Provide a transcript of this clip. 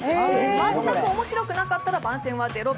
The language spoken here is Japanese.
全く面白くなかったら番宣は０秒。